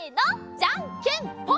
じゃんけんぽん！